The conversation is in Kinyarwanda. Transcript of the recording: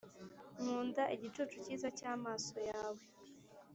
nkunda igicucu cyiza cyamaso yawe